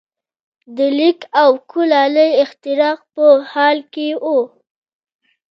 د لیک او کولالۍ اختراع په حال کې وو.